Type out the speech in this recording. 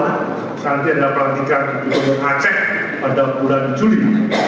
nanti ada pelatihan gubernur aceh pada bulan juli